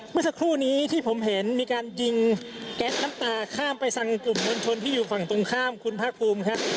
เมื่อสักครู่นี้ที่ผมเห็นมีการยิงแก๊สน้ำตาข้ามไปสั่งกลุ่มมวลชนที่อยู่ฝั่งตรงข้ามคุณภาคภูมิครับ